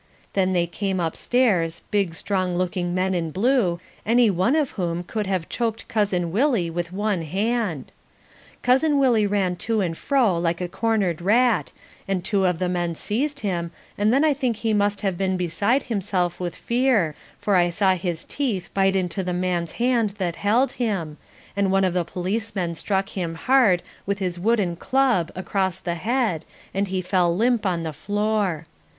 Then they came upstairs, big strong looking men in blue, any one of whom could have choked Cousin Willie with one hand. Cousin Willie ran to and fro like a cornered rat, and two of the men seized him and then I think he must have been beside himself with fear for I saw his teeth bite into the man's hand that held him, and one of the policemen struck him hard with his wooden club across the head and he fell limp to the floor.